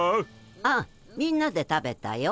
ああみんなで食べたよ。